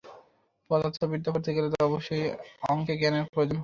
পদার্থবিদ্যা পড়তে গেলে অবশ্যই অঙ্কে জ্ঞানের প্রয়োজন হয়।